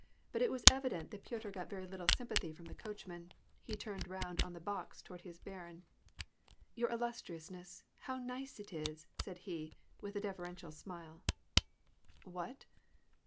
But it was evident that Piotr got very little sympathy from the coachman ; he turned round on the box toward his barin :—" Your illustriousness, how nice it is !" said he, with a def erential smile. " What